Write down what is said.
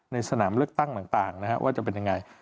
ในสนามเลือกตั้งต่างว่าจะเป็นยังไง